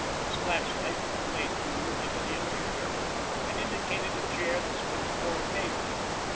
His flashlight played through into the interior, and indicated a chair that stood before a table.